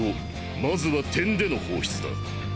まずは点での放出だ。